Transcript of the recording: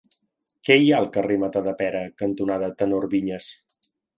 Què hi ha al carrer Matadepera cantonada Tenor Viñas?